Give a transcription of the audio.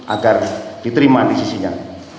agar diterima di sisinya